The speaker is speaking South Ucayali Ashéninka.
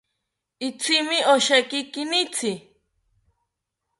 Itzimi osheki kinitzi